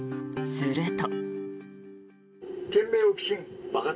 すると。